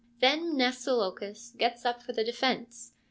Then Mnesilochus gets up for the defence.